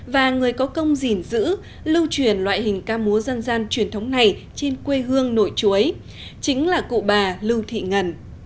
và người có công gìn giữ lưu truyền loại hình ca múa dân gian truyền thống này trên quê hương nội chuối chính là cụ bà lưu thị ngần